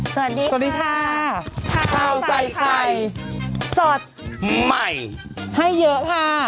สวัสดีค่ะข้าวใส่ไข่สดใหม่ให้เยอะค่ะ